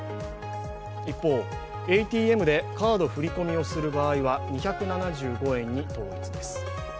一方、ＡＴＭでカード振り込みをする場合は２７５円に統一です。